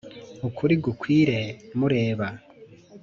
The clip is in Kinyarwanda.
ukuri gukwire mureba